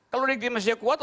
kalau negeri masih kuat